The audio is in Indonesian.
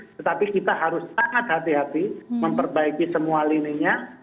tetapi kita harus sangat hati hati memperbaiki semua lininya